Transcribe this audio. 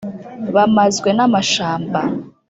bamazwe n’amashamba,